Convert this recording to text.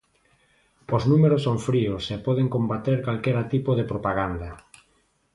Os números son fríos e poden combater calquera tipo de propaganda.